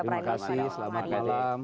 terima kasih selamat malam